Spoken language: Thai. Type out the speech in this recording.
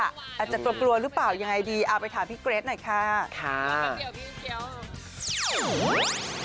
อาจจะกลัวกลัวหรือเปล่ายังไงดีเอาไปถามพี่เกรทหน่อยค่ะ